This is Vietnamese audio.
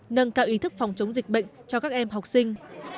nâng cao ý thức phòng chống dịch bệnh cho các em học sinh